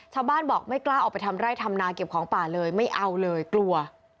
ชาวบ้านบอกไม่กล้าออกไปทำไร่ทำนาเก็บของป่าเลยไม่เอาเลยกลัว